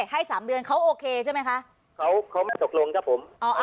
ให้สามเดือนเขาโอเคใช่ไหมคะเขาเขาไม่ตกลงครับผม